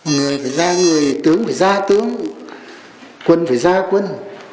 người phải ra người tướng phải ra tướng quân phải ra quân